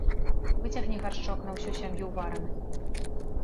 Выцягне гаршчок на ўсю сям'ю вараны.